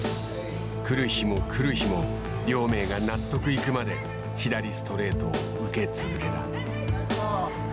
来る日も来る日も亮明が納得いくまで左ストレートを受け続けた。